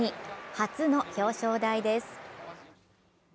初の表彰台です。